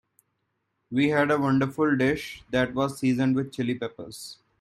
We had a wonderful dish that was seasoned with Chili Peppers.